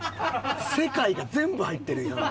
世界が全部入ってるやん。